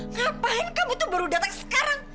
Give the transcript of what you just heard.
ngapain kamu tuh baru datang sekarang